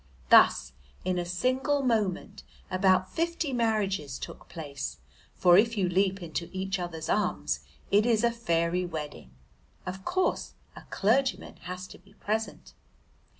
Thus in a single moment about fifty marriages took place, for if you leap into each other's arms it is a fairy wedding. Of course a clergyman has to be present.